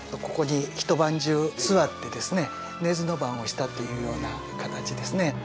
ここにひと晩中座ってですね寝ずの番をしたというような形ですね